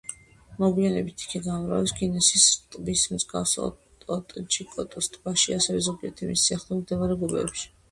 მოგვიანებით იგი გაამრავლეს გინასის ტბის მსგავს ოტჯიკოტოს ტბაში, ასევე ზოგიერთ მის სიახლოვეს მდებარე გუბეებში.